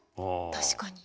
確かに。